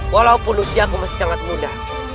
walaupun usia aku masih sangat muda